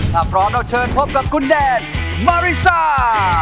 ถ้าพร้อมเราเชิญพบกับคุณแดนมาริซ่า